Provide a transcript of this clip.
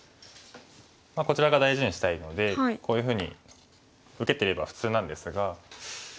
こちら側大事にしたいのでこういうふうに受けてれば普通なんですが。